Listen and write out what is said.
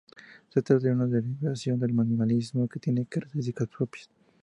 Se trata de una derivación del minimalismo que tiene características propias.